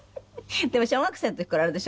でも小学生の時からあれでしょ？